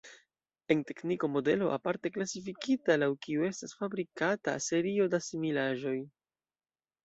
En tekniko modelo, aparte klasifikita, laŭ kiu estas fabrikata serio da similaĵoj.